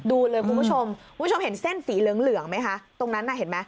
ดูเลยคุณผู้ชมคุณผู้ชมเห็นเส้นสีเหลืองไหมคะ